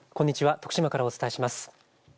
徳島からお伝えします。